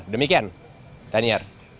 demikian dan iya